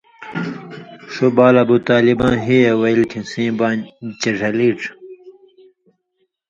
ݜُو بال ابوطالباں ہی اے وَیلیۡ کھیں سیں بانیۡ چے ڙھلیچ